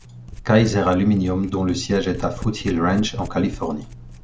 Kaiser Aluminium, dont le siège est à Foothill Ranch, en Californie.